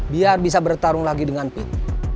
biar bisa bertarung lagi dengan pin